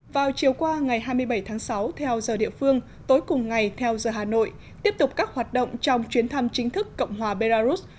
vào chiều qua ngày hai mươi bảy tháng sáu theo giờ địa phương tối cùng ngày theo giờ hà nội tiếp tục các hoạt động trong chuyến thăm chính thức cộng hòa belarus